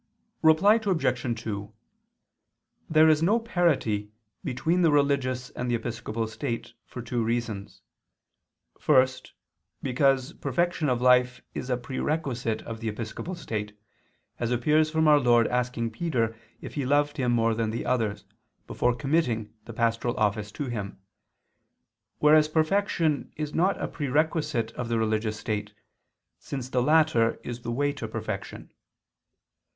Reply Obj. 2: There is no parity between the religious and the episcopal state, for two reasons. First, because perfection of life is a prerequisite of the episcopal state, as appears from our Lord asking Peter if he loved Him more than the others, before committing the pastoral office to him, whereas perfection is not a prerequisite of the religious state, since the latter is the way to perfection.